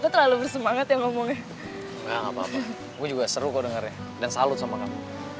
aku terlalu bersemangat yang ngomongnya juga seru kok dengarnya dan salut sama kamu